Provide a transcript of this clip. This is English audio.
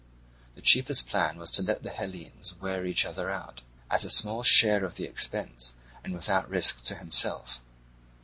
The cheapest plan was to let the Hellenes wear each other out, at a small share of the expense and without risk to himself.